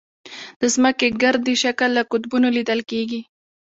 د ځمکې ګردي شکل له قطبونو لیدل کېږي.